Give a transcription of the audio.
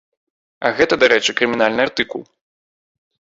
А гэта, дарэчы, крымінальны артыкул.